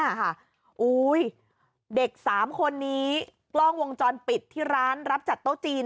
โอ้โหเด็ก๓คนนี้กล้องวงจรปิดที่ร้านรับจัดโต๊ะจีน